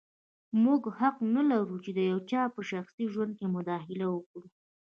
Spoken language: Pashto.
موږ حق نه لرو چې د یو چا په شخصي ژوند کې مداخله وکړو.